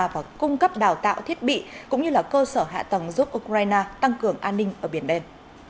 và cung cấp đào tạo thiết bị cũng như là cơ sở hạ tầng giúp ukraine tăng cường an ninh ở biển đen